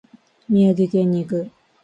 宮城県に行く。